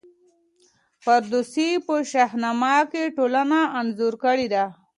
فردوسي په شاهنامه کي ټولنه انځور کړې ده.